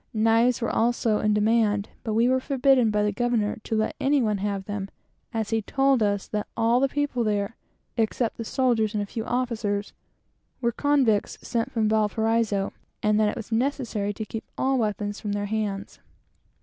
Knives also were in demand, but we were forbidden by the governor to let any one have them, as he told us that all the people there, except the soldiers and a few officers, were convicts sent from Valparaiso, and that it was necessary to keep all weapons from their hands.